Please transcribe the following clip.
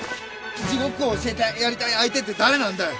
地獄を教えてやりたい相手って誰なんだよ？